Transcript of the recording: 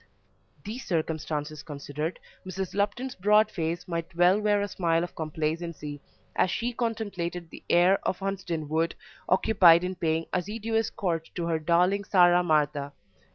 These circumstances considered, Mrs. Lupton's broad face might well wear a smile of complacency as she contemplated the heir of Hunsden Wood occupied in paying assiduous court to her darling Sarah Martha.